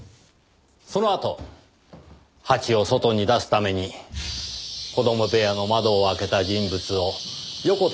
そのあとハチを外に出すために子供部屋の窓を開けた人物を横手が見ています。